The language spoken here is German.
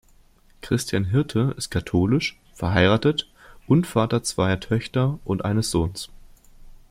Christian Hirte ist katholisch, verheiratet und Vater zweier Töchter und eines Sohnes.